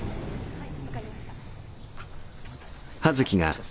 はい。